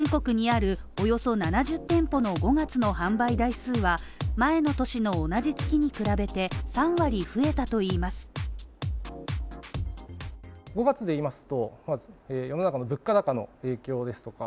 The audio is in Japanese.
全国にあるおよそ７０店舗の５月の販売台数は前の年の同じ月に比べて３割増えたといいます。